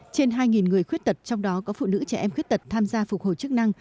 trên hai người khuyết tật trong đó có phụ nữ trẻ em khuyết tật tham gia phục hồi chức năng